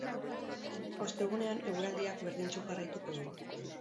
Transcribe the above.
Ostegunean, eguraldiak berdintsu jarraituko du.